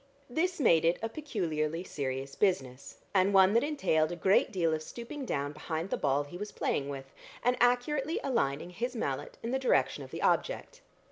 This made it a peculiarly serious business, and one that entailed a great deal of stooping down behind the ball he was playing with, and accurately aligning his mallet in the direction of the object.